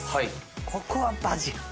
ここはバジル！